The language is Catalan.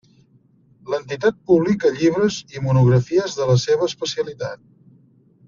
L'entitat publica llibres i monografies de la seva especialitat.